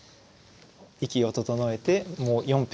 息を整えてもう４遍。